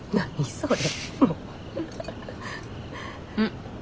それ。